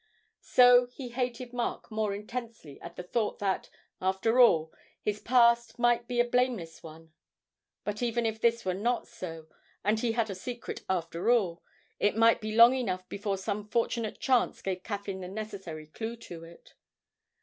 So he hated Mark more intensely at the thought that, after all, his past might be a blameless one. But even if this were not so, and he had a secret after all, it might be long enough before some fortunate chance gave Caffyn the necessary clue to it.